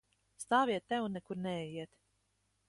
Stāviet te un nekur neejiet!